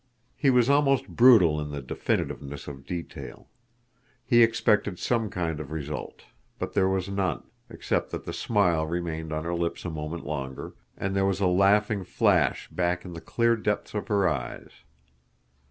He was almost brutal in the definiteness of detail. He expected some kind of result. But there was none, except that the smile remained on her lips a moment longer, and there was a laughing flash back in the clear depths of her eyes.